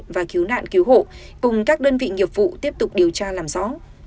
và cứu nạn cứu hộ